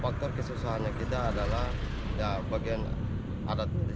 faktor kesusahannya kita adalah ya bagian adat di sini